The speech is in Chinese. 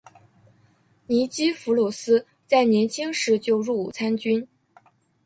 尼基弗鲁斯在年轻时就入伍参军。